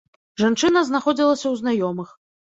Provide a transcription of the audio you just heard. Жанчына знаходзілася ў знаёмых.